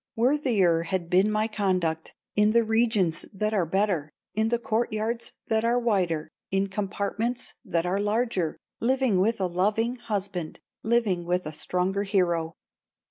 Worthier had been my conduct, In the regions that are better, In the court yards that are wider, In compartments that are larger, Living with a loving husband, Living with a stronger hero.